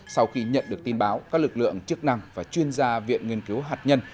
sau khi nhận được tin báo các lực lượng chức năng và chuyên gia viện nghiên cứu hạt nhân